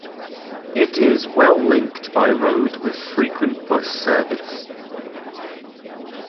It is well-linked by road with frequent bus service.